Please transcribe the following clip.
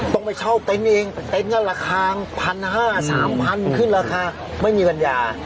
ต้องไปเช่าเต็นเองเต็นน่าละคราว๑๕๐๐๓๐๐๐ขึ้นราคาไม่มีกัญญา